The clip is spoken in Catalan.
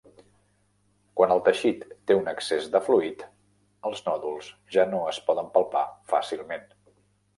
Quan el teixit té un excés de fluid, els nòduls ja no es poden palpar fàcilment.